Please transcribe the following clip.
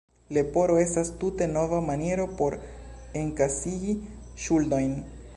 Leporo estas tute nova maniero por enkasigi ŝuldojn.